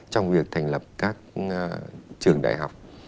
trong việc thành lập các trường đại học